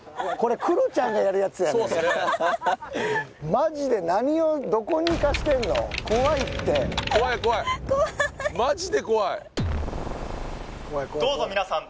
マジで何をどこに行かしてんの怖いって怖い怖いマジで怖い怖いどうぞ皆さん